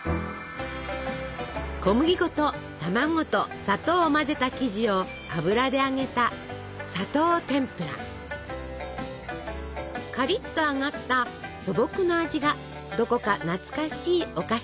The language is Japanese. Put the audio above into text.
小麦粉と卵と砂糖を混ぜた生地を油で揚げたカリッと揚がった素朴な味がどこか懐かしいお菓子です。